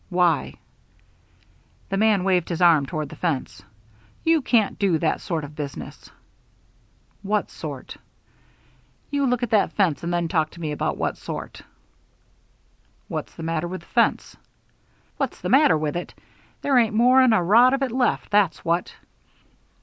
"Why?" The man waved his arm toward the fence. "You can't do that sort of business." "What sort?" "You look at that fence and then talk to me about what sort." "What's the matter with the fence?" "What's the matter with it! There ain't more'n a rod of it left, that's what."